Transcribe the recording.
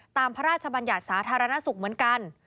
พระราชบัญญัติสาธารณสุขเหมือนกัน